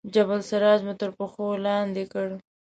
جبل السراج مو تر پښو لاندې کړ.